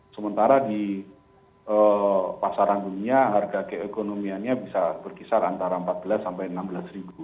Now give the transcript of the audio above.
sementara di pasaran dunia harga keekonomiannya bisa berkisar antara rp empat belas sampai rp enam belas